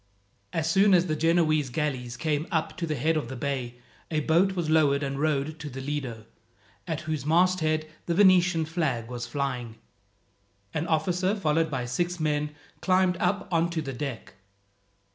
As soon as the Genoese galleys came up to the head of the bay, a boat was lowered and rowed to the Lido, at whose masthead the Venetian flag was flying. An officer, followed by six men, climbed up on to the deck.